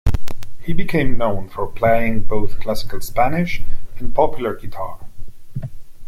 He became known for playing both classical Spanish and popular guitar.